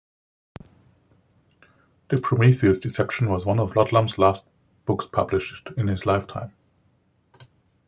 "The Prometheus Deception" was one of Ludlum's last books published in his lifetime.